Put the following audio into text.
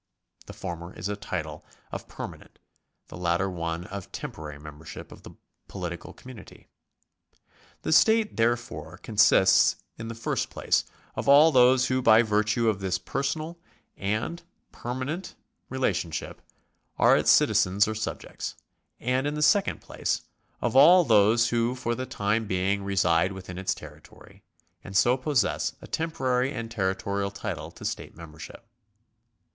The former is a title of permanent, the latter one of temporary membership of the political com munity. The state, therefore, consists, in the first place, of all those who by virtue of this personal and permanent 100 THE STATE [§39 relationship are its citizens or subjects, and in the second place, of all those who for the time being reside within its terri tory, and so possess a temporary and territorial title to state membership.